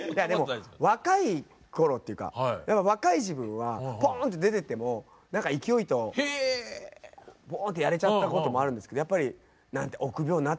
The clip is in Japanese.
若い頃っていうかやっぱ若い時分はポーンって出てっても何か勢いとボーンってやれちゃったこともあるんですけどやっぱり臆病になってくっていうんですかね。